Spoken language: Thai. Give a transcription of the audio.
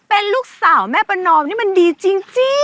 เป็นลูกสาวแม่ประนอมนี่มันดีจริง